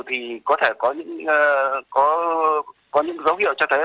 thì có thể có những dấu hiệu cho thấy